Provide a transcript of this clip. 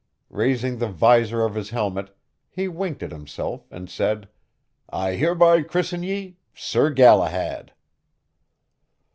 Raising the visor of his helmet, he winked at himself and said, "I hereby christen ye 'Sir Galahad'."